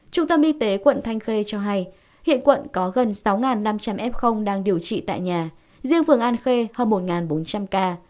trung tâm y tế quận thanh khê cho hay hiện quận có gần sáu năm trăm linh f đang điều trị tại nhà riêng phường an khê hơn một bốn trăm linh ca